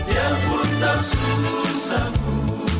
yang pun tahu susahmu